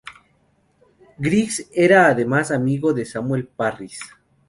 Griggs era además amigo de Samuel Parris.